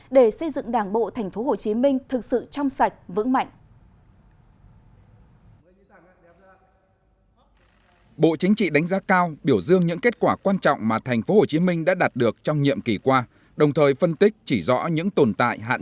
để từ đó thấy rõ được trách nhiệm của thành phố hồ chí minh đối với cả nước